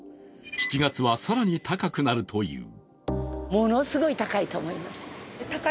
７月は、更に高くなるという。